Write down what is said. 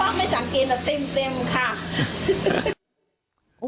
ถ้าเมื่อช้าเดินลงมาถ้าว่าไม่จังเกณฑ์จะเต็มค่ะ